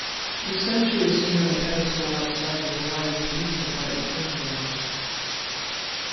The statue is seen on a pedestal outside the Hawaii Police Department Headquarters.